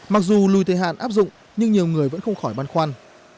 mặc dù lùi thời hạn áp dụng nhưng nhiều người vẫn không khỏi băn khoăn